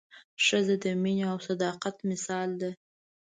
ښځه د مینې او صداقت مثال ده.